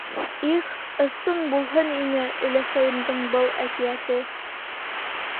Их, ысын булһын ине өләсәйемдең был әкиәте...